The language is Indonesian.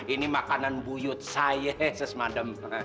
ini makanan buyut saya ses madam